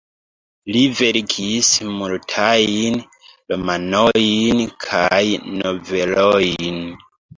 Li verkis multajn romanojn kaj novelojn.